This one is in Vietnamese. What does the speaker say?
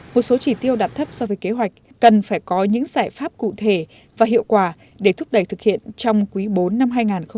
một số chỉ tiêu đạt thấp so với kế hoạch cần phải có những giải pháp cụ thể và hiệu quả để thúc đẩy thực hiện trong quý bốn năm hai nghìn hai mươi